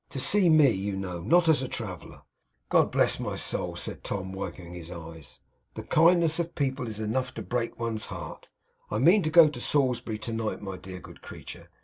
To see me, you know; not as a traveller.' 'God bless my soul!' said Tom, wiping his eyes. 'The kindness of people is enough to break one's heart! I mean to go to Salisbury to night, my dear good creature.